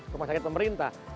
rumah sakit pemerintah